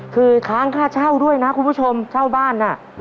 คือค้างค่าเช่าด้วยนะคุณผู้ชมเช่าบ้านน่ะ